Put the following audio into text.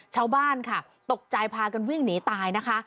ชาวบ้านค่ะตกใจพากันวิ่งหนีตายนะคะ